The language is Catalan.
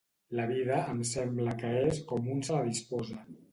La vida, em sembla que és com un se la disposa